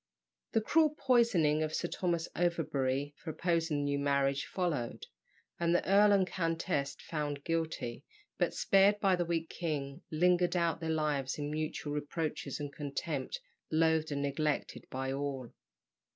The cruel poisoning of Sir Thomas Overbury for opposing the new marriage followed; and the earl and countess, found guilty, but spared by the weak king, lingered out their lives in mutual reproaches and contempt, loathed and neglected by all.